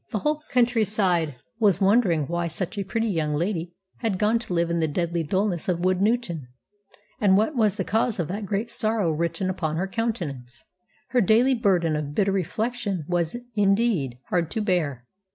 The whole country side was wondering why such a pretty young lady had gone to live in the deadly dullness of Woodnewton, and what was the cause of that great sorrow written upon her countenance. Her daily burden of bitter reflection was, indeed, hard to bear.